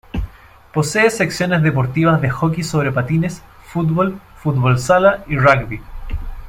Posee secciones deportivas de hockey sobre patines, fútbol, fútbol sala y rugby.